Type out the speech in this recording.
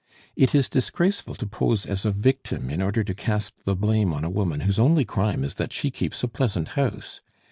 It is disgraceful to pose as a victim in order to cast the blame on a woman whose only crime is that she keeps a pleasant house.